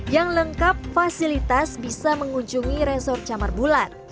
yang lengkap fasilitas bisa mengunjungi resort camar bulan